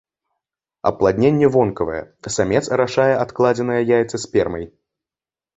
Апладненне вонкавае, самец арашае адкладзеныя яйцы спермай.